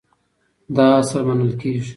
دا اصل منل کېږي.